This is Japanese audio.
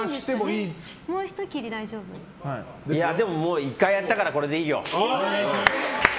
いや、１回やったからこれでいいよ！